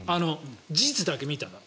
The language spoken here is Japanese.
事実だけ見たら。